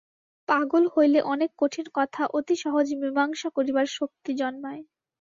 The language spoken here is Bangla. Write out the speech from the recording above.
পাগল হইলে অনেক কঠিন কথা অতি সহজে মীসাংসা করিবার শক্তি জন্মায়।